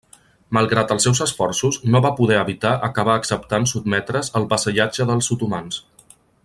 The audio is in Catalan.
Malgrat els seus esforços, no va poder evitar acabar acceptant sotmetre's al vassallatge dels otomans.